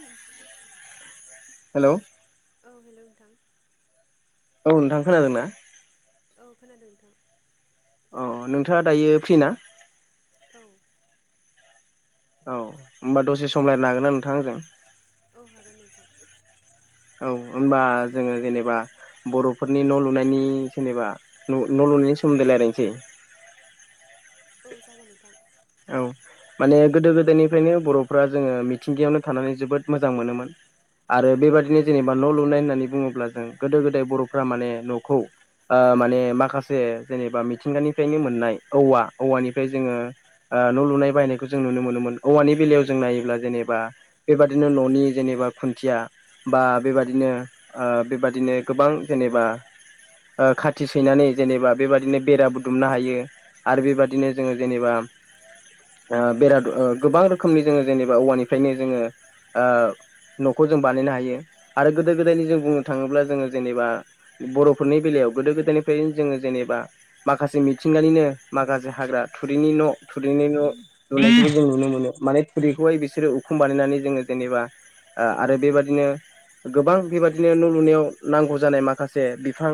उ hello औ hello नोंथां औ नोंथां खोनादोंना औ खोनादों नोंथां अ नोंथाङा दायो फ्रि ना औ औ होनोमबा दसे सम रालायनो हागोन ना नोंथां आंजों औ हागोन नोंथां औ होनबा जोङो जेनोबा बर'फोरनि न' लुनायनि जेनोबा न' लुनायनि सोमोन्दै रायलायसै औ जागोन नोंथां औ माने गोदो गोदायनिफ्रायनो बर'फ्रा जोङो मिथिंगायावनो थानानै जोबोद मोजां मोनो मोन आरो बेबायदिनो जेनोबा न' लुनाय होननानै बुङोब्ला जों गोदो गोदाय बर'फ्रा माने न'खौ ओ माने माखासे जेनोबा मिथिंगानिफ्रायनो मोननाय औवा औवानिफ्राय जोङो ओ न' लुनाय बायनायखौ जों नुनो मोनोमोन औवानि बेलायाव जों नायोब्ला जेनोबा बेबादिनो न'नि जेनोबा खुन्थिआ बा बेबादिनो ओ बेबादिनो गोबां जेनोबा खाथि सैनानै जेनोबा बेबादिनो बेराबुदुमनो हायो आरो बेबादिनो जोङो जेनोबा बेराद ओ‌ गोबां रोखोमनि जोङो जेनोबा औवानिफ्रायनो जोङो न'खौ जों बानायनो हायो आरो गोदो गोदायनि जों बुंनो थाङोब्ला जोङो जेनोबा बर'फोरनि बेलायाव गोदो गोदायनिफ्रायनो जोङो जेनोबा माखासे मिथिंगानिनो माखासे हाग्रा थुरिनि न' थुरिनि न' लुनायखौ जों नुनो मोनो मानि थुरिखौहाय बिसोरो उखुम बानायनानै जोङो जेनोबा आ आरो बेबादिनो गोबां बेबायदिनो न' लुनायाव नांगौ जानाय माखासे बिफां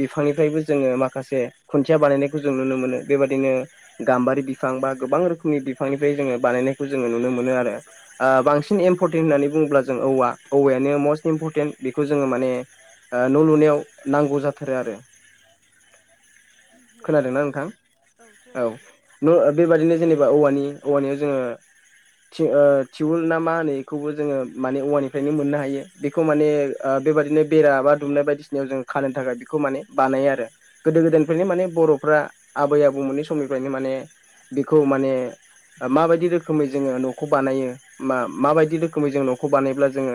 बिफांनिफ्रायबो जोङो माखासे खुन्थिआ बानायनायखौ जों नुनो मोनो बेबायदिनो ओ गाम्बारि बि फां बा गोबां रोखोमनि बिफांनिफ्राय जोङो बानायनायखौ जोङो नुनो मोनो आरो ओ औ बांसिन एम इमपरटेन्ट होननानै बुङोब्ला जों औवा औवायानो मसट इमपरटेन्ट बेखौ जोङो माने ओ न' लुनायाव नांगौ जाथारो आरो खोनादोंना नोंथां खोनादों औ नोंथां नों बेबादिनो जेनोबा औवानि औवानिबो जोङो थि ओ थिउल ना मा होनो बेखौबो जोङो माने औवानिफ्रायनो मोननो हायो बेखौ माने ओ बेबादिनो बेरा बा दुमनाय बायदिसिनायाव जों खानो थाखाय बेखौ माने बानायो आरो गोदो गोदायनिफायनो माने बर'फ्रा आबै आबौमोननि समनिफायनो माने बेखौ माने माबादि रोखोमै जोङो न'खौ बानायो माबादि रोखोमै जों न'खौ बानायब्ला जोङो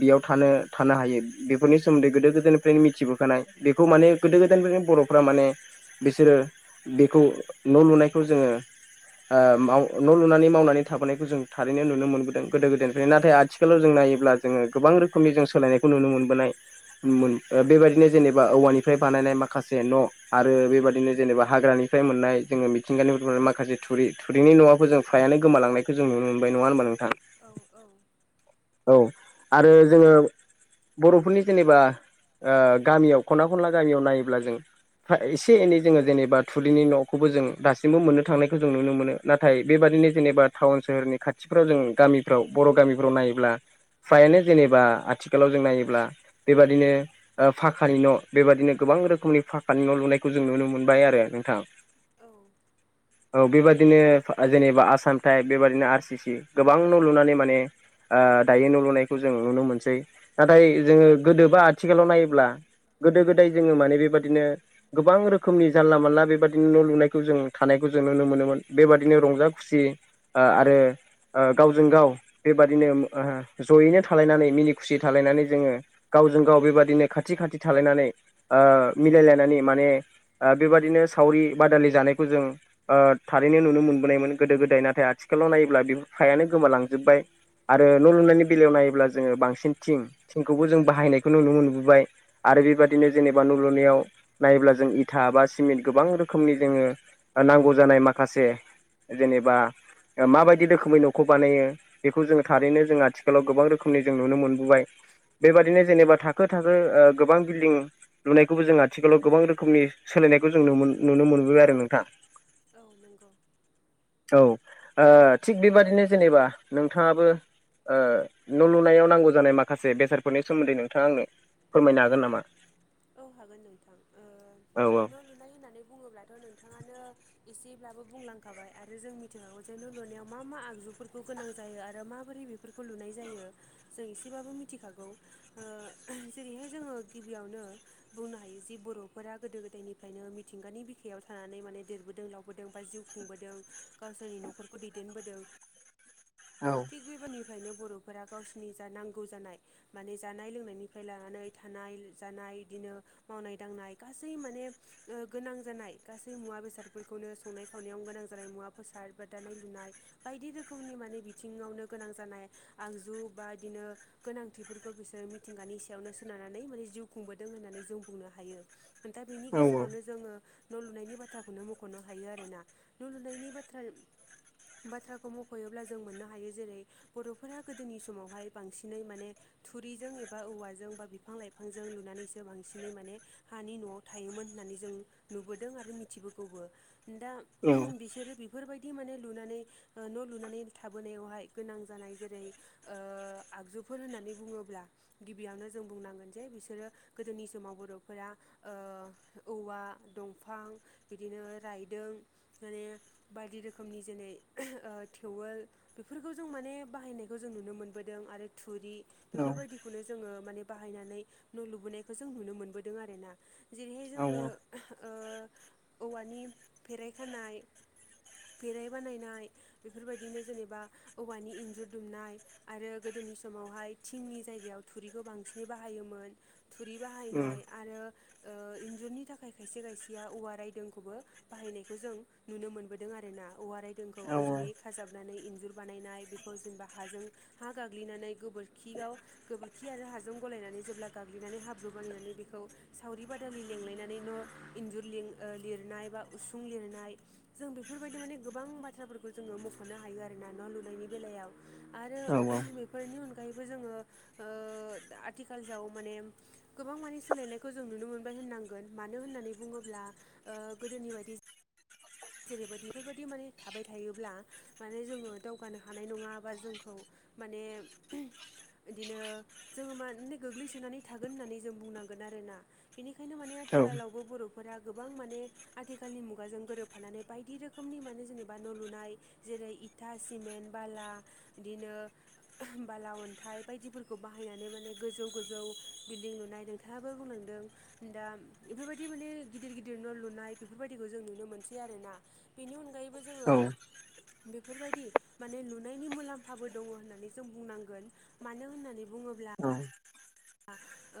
बेआव थानो थानो हायो बेफोरनि सोमोन्दै गोदो गोदायनिफ्रायनो मिथिबोखानाय बेखौ माने गोदो गोदायनिफायनो बर'फ्रा माने बिसोरो बेखौ न' लुनायखौ जोङो ओ माव न' लुनानै मावनानै थाबोनायखौ जों थारैनो नुनो मोनबोदों गोदो गोदायनिफ्रायनो नाथाय आथिखालाव जों नायोब्ला जोङो गोबां रोखोमनि जों सोलायनायखौ नुनो मोनबोनाय मोन ओ बेबादिनो जेनोबा औवानिफ्राय बानायनाय माखासे न' आरो बेबादिनो जेनोबा हाग्रानि मोननाय जोङो मिथिंगानि ओ माखासे थुरिनि न'आबो जों फ्रायानो गोमालांनायखौ जों नुनो मोनबाय‌ नङा होनबा नोंथां औ औ औ आरो जोङो बर'फोरनि जेनोबा ओ गामिआव खना खनला गामियाव नायोब्ला जों एसे एनै जोङो जेनोबा थुलिनि न'खौबो जों दासिमबो मोननो थांनायखौ जों नुनो मोनो नाथाय बेबादिनो जेनोबा टाउन सोहोरनि खाथिफ्राव जों गामि औ बर' गामिफ्राव नायोब्ला फ्रायानो जेनोबा आथिखालाव जों नायोब्ला बेबादिनो ओ फाखानि न' बेबादिनो गोबां रोखोमनि फाखानि न' लुनायखौ जोङो नुनो मोनबाय आरो नोंथां औ औ बेबादिनो ओ जेनोबा आसाम थाइप बेबादिनो आर सि सि गोबां न' लुनानै माने ओ दायो न' लुनायखौ जों नुनो मोनसै नाथाय जों गोदोबा आथिखालाव नायोब्ला गोदो गोदाय जोङो मानि बेबादिनो गोबां रोखोमनि जानला मोनला बेबादिनो न' लुनाय खौ जों थानायखौ जों नुनो मोनोमोन बेबादिनो रंजा खुसि ओ आरो ओ गावजों गाव बेबादिनो जयैनो थालायनानै मिनि खुसि थालायनानै जोङो गावजों गाव बेबादिनो खाथि खाथि थालायनानै ओ मिलायलायनानै माने ओ बेबादिनो सावरि बादालि जानायखौ जों ओ थारैनो नुनो मोनबोनायमोन गोदो गोदाय नाथाय आथिखालाव नायोब्ला बे फ्रायानो गोमालांजोबबाय। आरो न' लुनायनि औ बेलायाव नायोब्ला जोङो बांसिन थिं थिंखौबो जों बाहायनायखौ नुनो मोनबोबाय। आरो बेबादिनो जेनेबा न' लुनायाव नायोब्ला जों इथा बा सिमेन्ट गोबां रोखोमनि जोङो नांगौ जानाय माखासे जेनेबा माबायदि रोखोमै न'खौ बानायो बेखौ जोङो थारैनो जों आथिखालाव गोबां रोखोमनि जों नुनो मोनबोबाय। बेबादिनो जेनेबा थाखो थाखो गोबां बिल्डिं लुनायखौबो जों आथिखालाव गोबां रोखोमनि सोलायनायखौ जों नुनो मोनबोबाय आरो नोंथां। औ नंगौ। औ ओ थिग बेबादिनो जेनेबा नोंथाङाबो ओ न' लुनायाव नांगौ जानाय माखासे बेसादफोरनि सोमोन्दै नोंथाङा आंनो फोरमायनो हागोन नामा? औ हागोन नोंथां ओ औ न' लुनाय होननानै बुङोब्लाथ' नोंथाङानो एसेब्लाबो बुंलांखाबाय आरो जों मिथिखागौ जाय न' लुनायाव मा मा आगजुफोरखौ गोनां जायो आरो माबोरै बेफोर लुनाय जायो जों एसेबाबो मिथिखागौ। ओ जेरैहाय जोङो गिबियावनो बुंनो हायो जि बर'फोरा गोदो गोदायनिफ्रायनो मिथिंगानि बिखायाव थानानै माने देरबोदों लावबोदों बा जिउ खुंबोदों गावसोरनि न'खरखौ दैदेनबोदों औ थिग बेबारनिफ्रायनो बर'फोरा गावसिनि जा नांगौ जानाय माने जानाय लोंनायनिफ्राय लानानै थानाय जानाय बिदिनो मावनाय दांनाय गासै माने गोनां जानाय गासै मुवा बेसादफोरखौनो संनाय खावनायाव गोनां जानाय मुवा बेसाद बा दानाय लुनाय बायदि रोखोमनि माने बिथिङावनो गोनां जानाय आगजु बा बिदिनो गोनांथिफोरखौ बिसोरो मिथिंगानि सायावनो सोनारनानै माने जिउ खुंबोदों होननानै जों बुंनो हायो। दा बिनि औ गेजेरावनो जोङो न' लुनायनि बाथ्राखौनो मख'नो हायो आरोना न' लुनायनि बाथ्रा बाथ्राखौ मख'योब्ला जों मोननो हायो जेरै बर'फोरा गोदोनि समावहाय बांसिनै माने थुरिजों एबा औवाजों बा बिफां लाइफांजों लुनानैसो बांसिनै माने हानि न'आव थायोमोन होननानै जों नुबोदों आरो मिथिबोगौबो दा बिसोरो बेफोरबायदि माने लुनानै न' लुनानै थाबाय लाबोनायावहाय गोनां जानाय जेरै आगजुफोर होननानै बुङोब्ला गिबियावनो जों बुंनांगोन जे बिसोरो गोदोनि समाव बर'फोरा औवा दंफां बिदिनो रायदों माने बायदि रोखोमनि जेनै थेवोल बेफोरखौ जों माने बाहायनायखौ जों नुनो मोनबोदों आरो थुरि औ बेफोरबायदि खौनो जोङो माने बाहायनानै न' लुबोनायखौ जों नुनो मोनबोदों आरो ना जेरैहाय औ जोङो औ औवानि फेरायखानाय फेराइ बानायनाय बेफोरबायदिनो जेनेबा औवानि इन्जुर दुमनाय आरो गोदोनि समावहाय थिंनि जायगायाव थुरिखौ बांसिनै बाहायोमोन। थुरि उम बाहायनाय आरो ओ इन्जुरनि थाखाय खायसे खायसेया औवा रायदोंखौबो बाहायनायखौ जों नुनो मोनबोदों आरो ना औवारै दोंखौ औ जयै खाजाबनानै इन्जुर बानायनाय बेखौ जेनेबा हाजों हा गाग्लिनानै गोबोरखियाव गोबोरखि आरो हाजों गलायनानै जेब्ला गाग्लिनानै हाब्रु बानायनानै बेखौ सावरि बादालि लिलायनानै न' इन्जुर लिरनाय बा उसुं लिरनाय जों बेफोरबायदि माने गोबां बाथ्राफोरखौ जोङो मख'नो हायो आरोना। न' लुनायनि बेलायाव आरो औ बे फोरनि अनगायैबो जोङो आथिखालाव माने गोबां माने सोलायनायखौ जों नुनो मोनबाय होननांगोन मानो होननानै बुङोब्ला ओ गोदोनि बायदि। जेरैबायदि बेफोरबायदि माने थाबाय थायोब्ला। माने जोङो दावगानो हानाय नङा बा जोंखौ माने बिदिनो जोङो माने गोग्लैसोनानै थागोन होननानै जों बुंनांगोन आरोना। बेनिखायनो माने औ आथिखालावबो बर'फोरा गोबां माने आथिखालनि मुगाजों गोरोब फानानै बायदि रोखोमनि माने जेनेबा न' लुनाय जेरै इथा सिमेन्ट बाला बिदिनो बाला अन्थाइ बायदिफोरखौ बाहायनानै माने गोजौ गोजौ बिल्डिं लुनाय। खोथाबो बुंलांदों दा बेफोरबायदि माने गिदिर गिदिर न' लुनाय बेफोरबायदिखौ जों नुनो मोनदों। सै आरोना बेनि अनगायैबो जोङो बेफोरबायदि माने लुनायनि मुलाम्फाबो दङ होननानै जों बुंनांगोन। मानो होननानै बुङोब्ला। औ औ ओ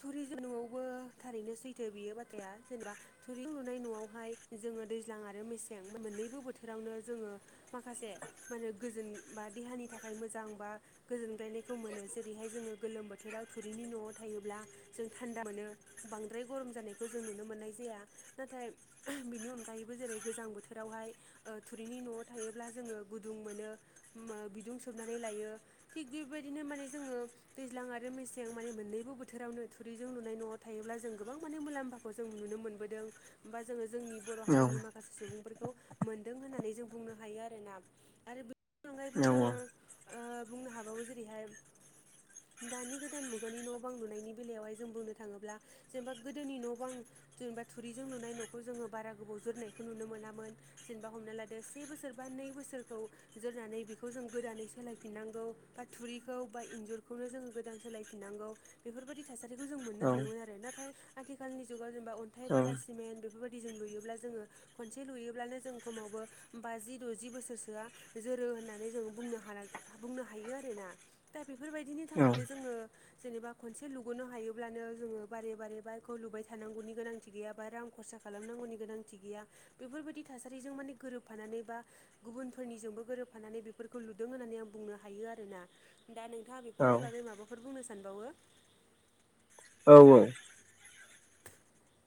टुरि नआवबो थारैनो सैथो बियो बाथ्राया जेनेबा थुरि लुनाय न'आवहाय जोङो दैज्लां आरो मेसें मोननैबो बोथोरावनो जोङो माखासे मा होनो गोजोन बा देहानि थाखाय मोजां बा गोजोनगायनायखौ मोनो जेरैहाय जोङो गोलोम बो बोथोराव थुरिनि न'आव थायोब्ला जों थान्दा मोनो। बांद्राय गरम जानायखौ जों नुनो मोननाय जाया। नाथाय बेनि अनगायैबो जेरै गोजां बोथोरावहाय थुरिनि न'आव थायोब्ला जोङो गुदुं मोनो। बिदुं सोबनानै लायो थिग बेबायदिनो माने जोङो दैज्लां आरो मेसें माने मोननैबो बोथोरावनो थुरिजों नुनाय न'आव थायोब्ला जों गोबां माने मुलाम्फाखौ जों नुनो मोनबोदों। होमबा जोङो जोंनि बर' हारिनि माखासे सुबुंफोरखौ मोन्दों होननानै जों बुंनो हायो आरोना। आरो बेनि अनगायैबो जोङो ओ बुंनो हाबावो जेरैहाय दानि गोदान मुगानि न' बां लुनायनि बेलायावहाय जों बुंनो थाङोब्ला जेनेबा गोदोनि न' बां जेनेबा थुरिजों लुनाय न'खौ जोङो बारा गोबाव जोरनायखौ नुनो मोनामोन। जेनेबा हमना लादो से बोसोर बा नै बोसोरखौ जोरनानै बेखौ जों गोदानै सोलायफिननांगौ बा थुरिखौ बा इन्जुरखौनो जोङो गोदान सोलायफिननांगौ बेफोरबायदि थासारिखौ जों मोननो औ हायोमोन। आरो नाथाय आथिखालनि जुगाव जेनेबा अन्थाइ बाला सिमेन्ट बेफोरबायदि जों लुयोब्ला जोङो खनसे लुयोब्लानो जों खमावबो बाजि द'जि बोसोरसोआ जोरो होननानै जों बुंनो हा बुंनो हायो आरोना। दा बेफोरबायदिनि थाखायनो जोङो जेनेबा खनसे लुगोनो हायोब्लानो जोङो बारे बारे बाइकखौ लुबाय थानांगौनि गोनांथि गैयाबा रां खरसा खालामनांगौनि गोनांथि गैया बेफोरबायदि थासारिजों माने गोरोबफानानै बा गुबुनफोरनिजोंबो गोरोबफानानै बेफोरखौ लुदों होननानै आं बुंनो हायो आरोना दा नोंथाङा बेफोरनि बे बागै माबाफोर बुंनो सानबावो? औ-औ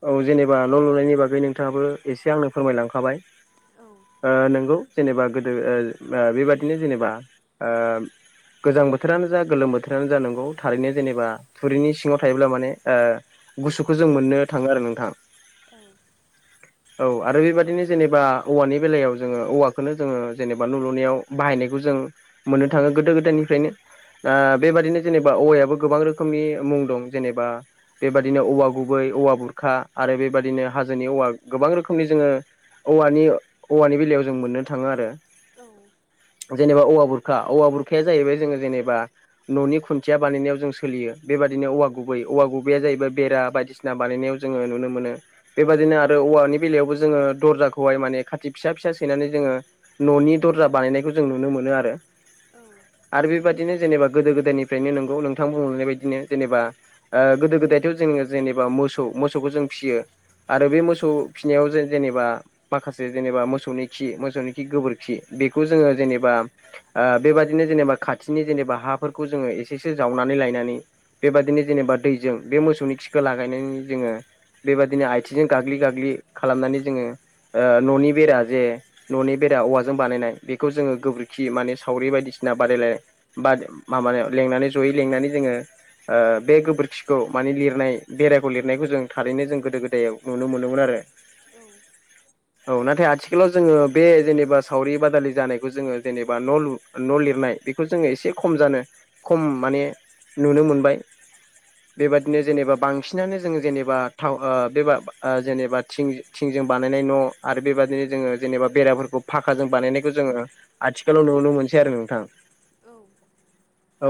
औ जेनेबा न' लुनायनि बागै नोंथाङाबो एसे आंनो फोरमायलांखाबाय औ ओ नंगौ। जेनेबा गोदो ओ बेबादिनो जेनेबा ओ गोजां बोथोरानो जा गोलोम बोथोरानो जा नंगौ थारैनो जेनेबा थुरिनि सिङाव थायोब्ला माने ओ गुसुखौ जों मोननो थाङो आरो नोंथां। औ [unintelligible] [inaudible] औ आरो बेबदिनो जेनेबा औवानि बेलायाव जोङो औवाखौनो जोङो जेनेबा न' लुनायाव बाहायनायखौ जों मोननो थाङो गोदो गोदायनिफ्रायनो। दा बेबादिनो जेनेबा औवायाबो गोबां रोखोमनि मुं दं जेनेबा बेबदिनो औवा गुबै औवा बुरखा आरो बेबायदिनो हाजोनि औवा गोबां रोखोमनि जोङो औवानि औवानि बेलायाव जों मोननो थाङो आरो औ जेनेबा औवा बुरखा औवा बुरखाया जाहैबाय जोङो जेनेबा न'नि खुन्थिया बानायनायाव जों सोलियो बेबायदिनो औवा गुबै औवा गुबैया जाहैबाय बेरा बायदिसिना बानायनायाव जोङो नुनो मोनो बेबादिनो आरो औवानि बेलायावबो जोङो दरजाखौहाय माने खाथि फिसा फिसा सैनानै जोङो न'नि दरजा बानायनायखौ जों नुनो मोनो आरो। औ आरो बेबायदिनो जेनेबा गोदो गोदायनिफ्रायनो नोंगौ नोंथां बुंनाय बायदिनो जेनेबा गोदो गोदायथ' जोङो जेनेबा मोसौ मोसौखौ जों फिसियो आरो बे मोसौ फिनायाव जों जेनेबा माखासे जेनेबा मोसौनि खि मोसौनि खि गोबोरखि बेखौ जोङो जेनेबा ओ बेबादिनो जेनेबा खाथिनि जेनेबा हाफोरखौ जोङो एसेसो जावनानै लायनानै बेबादिनो जेनेबा दैजों बे मोसौनि खिखौ लागायनायनि जोङो बेबादिनो आथिंजों गाग्लि गाग्लि खालामनानै जोङो न'नि बेरा जे न'नि बेरा औवाजों बानायनाय बेखौ जोङो गोबोरखि माने सावरि बायदिसिना बादायलायनाय बा माबायाव लेंनानै जयै लिंनानै जोङो ओ बे गोबोरखिखौ माने लिरनाय बेराखौ लिरनाय लुनायखौ जों थारैनो जों गोदो गोदायाव नुनो मोनोमोन आरो औ औ नाथाय आथिखालाव जोङो बे जेनेबा सावरि बादालि जानायखौ जोङो जेनेबा न' लु न' लिरनाय बेखौ जोङो एसे खम जानो खम माने नुनो मोनबाय। बेबादिनो उम जेनेबा बांसिनानो जों जेनेबा थाव बेब जेनेबा थिं थिंजों बानायनाय न' आरो बेबाददिनो जोङो जेनेबा बेराफोरखौ फाखाजों बानायनायखौ जोङो आथिखालाव नुनो मोनसै आरो नोंथां। औ औ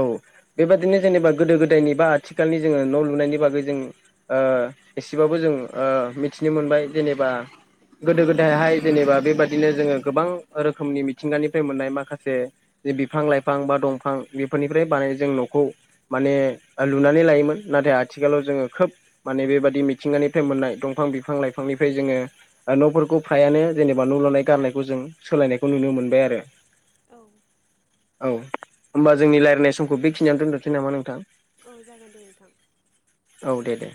बेबादिनो जेनेबा गोदो गोदायनि बा आथिखालनि जोङो न' लुनायनि बागै जों एसेबाबो जों मिथिनो मोनबाय जेनेबा गोदो गोदायहाय जेनेबा बेबादिनो जोङो गोबां रोखोमनि मिथिंगानिफ्राय मोननाय माखासे जे बिफां लाइफां बा दंफां बेफोरनिफ्राय बानाय जों न'खौ माने लुनानै लायोमोन नाथाय आथिखालाव जोङो खोब माने बेबाददि मिथिंगानिफ्राय मोननाय दंफां बिफां लाइफांनिफ्राय जोङो न'फोरखौ फ्रायानो जेनेबा न' लुनाय गारनायखौ जों सोलायनायखौ नुनो मोनबाय आरो औ औ होमबा जोंनि रायलायनाय समखौ बेखिनियानो दोनद'सै नामा नोंथां? औ जागोन दे नोंथां औ दे दे